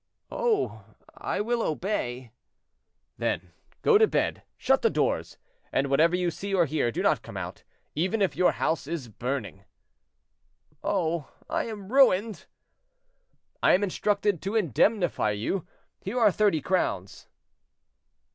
"Oh! I will obey." "Then go to bed, shut the doors, and whatever you see or hear, do not come out, even if your house is burning." "Oh! I am ruined!" "I am instructed to indemnify you; here are thirty crowns."